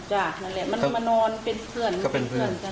ใช่นั่นแหละมันมานอนเป็นเพื่อนกัน